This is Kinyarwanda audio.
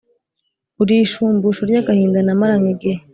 urishumbusho ryagahinda namaranye igihe